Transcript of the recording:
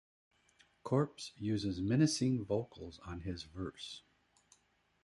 Corpse uses menacing vocals on his verse.